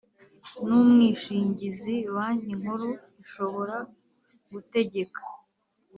n umwishingizi Banki Nkuru ishobora gutegeka